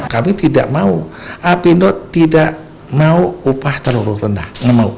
kami tidak mau apindo tidak mau upah terlalu rendah